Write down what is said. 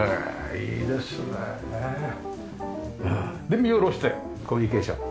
で見下ろしてコミュニケーション。